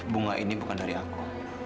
bunga ini bukan dari aku